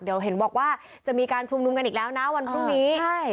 เดี๋ยวเห็นบอกว่าจะมีการชุมนุมกันอีกแล้วนะวันพรุ่งนี้ใช่